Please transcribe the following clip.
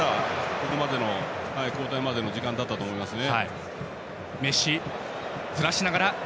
ここまでの交代までの時間だったと思いますね。